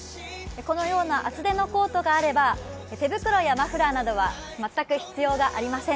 このような厚手のコートがあれば手袋やマフラーなどは全く必要がありません。